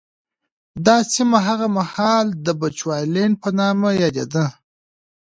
دا سیمه هغه مهال د بچوالېنډ په نامه یادېده.